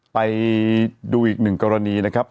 ไปดูอีกหนึ่งกรณีนะครับ